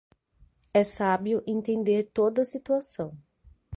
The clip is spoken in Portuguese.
É sábio entender toda a situação.